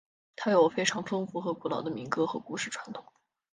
它有非常丰富和古老的民歌和故事传统。